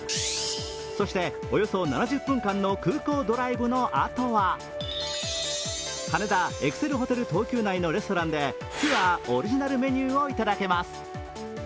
そしておよそ７０分間の空港ドライブのあとは羽田エクセルホテル東急内のレストランでツアーオリジナルメニューをいただけます。